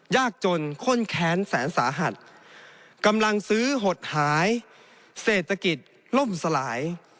ยากจนข้นแค้นแสนสาหัสกำลังซื้อหดหายเศรษฐกิจล่มสลาย